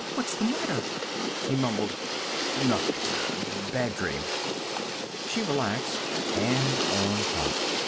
"What's the matter?" He mumbled, "Nothing. Bad dream." She relaxed, hand on heart.